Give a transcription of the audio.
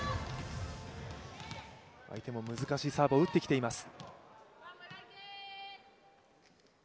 相手も難しいサーブを打ってきています。